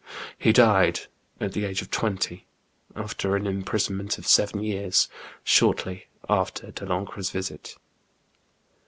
He died at the age of twenty, after an imprisonment of seven years, shortly after Delancre's visit.